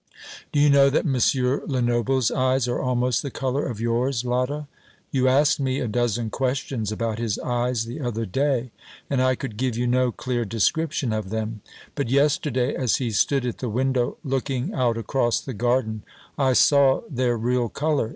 Do you know that M. Lenoble's eyes are almost the colour of yours, Lotta? You asked me a dozen questions about his eyes the other day, and I could give you no clear description of them; but yesterday, as he stood at the window looking out across the garden, I saw their real colour.